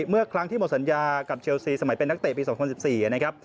เมื่อครั้งที่หมดสัญญากับเชลซีสมัยเป็นนักเตะปี๒๐๑๔นะครับ